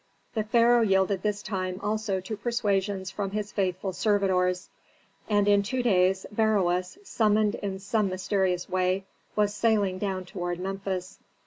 The pharaoh yielded this time also to persuasions from his faithful servitors. And in two days Beroes, summoned in some mysterious way, was sailing down toward Memphis.